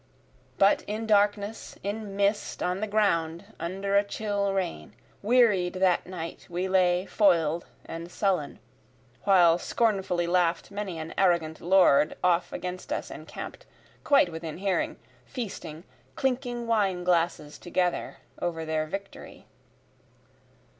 But in darkness in mist on the ground under a chill rain, Wearied that night we lay foil'd and sullen, While scornfully laugh'd many an arrogant lord off against us encamp'd, Quite within hearing, feasting, clinking wineglasses together over their victory.